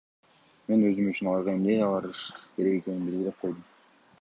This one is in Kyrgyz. Мен өзүм үчүн аларга эмне ала барыш керек экенин белгилеп койдум.